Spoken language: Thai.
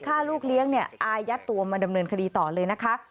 ฆ่าลูกเลี้ยงเนี่ยอายัดตัวมาดำเนินคดีต่อเลยนะคะ